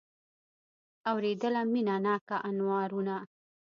اورېدله مینه ناکه انوارونه